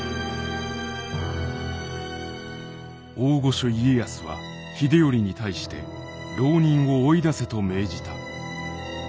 「大御所家康は秀頼に対して牢人を追い出せと命じた。